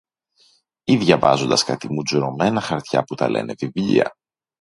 ή διαβάζοντας κάτι μουντζουρωμένα χαρτιά που τα λένε βιβλία